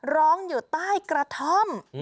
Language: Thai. ร้องอยู่ใต้กระท่อม